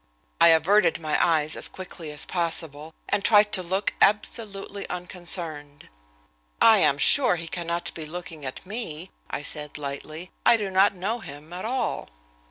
I averted my eyes as quickly as possible, and tried to look absolutely unconcerned. "I am sure he cannot be looking at me," I said, lightly. "I do not know him at all."